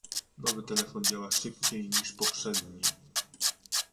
Nowy telefon działa szybciej niż poprzedni.